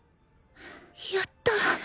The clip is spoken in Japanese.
やった！